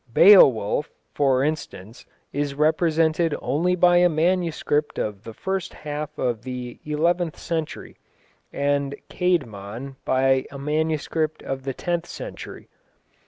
Beowulf, for instance, is represented only by a manuscript of the first half of the eleventh century, and Caedmon by a manuscript of the tenth century.